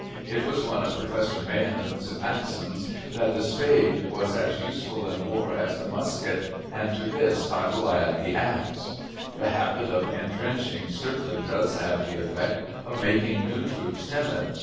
It was one of Prof. Mahan's maxims that the spade was as useful in war as the musket, and to this I will add the axe. The habit of intrenching certainly does have the effect of making new troops timid.